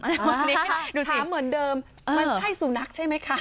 วันนี้หนูถามเหมือนเดิมมันใช่สุนัขใช่ไหมคะ